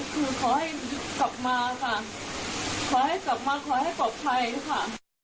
คือขอให้กลับมาค่ะขอให้กลับมาขอให้ปลอดภัยค่ะ